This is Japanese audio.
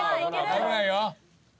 危ないよ。